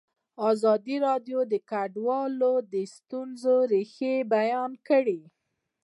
ازادي راډیو د کډوال د ستونزو رېښه بیان کړې.